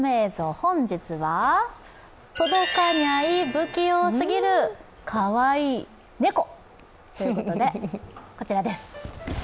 本日は、届かにゃい、不器用すぎるかわいい猫ということでこちらです。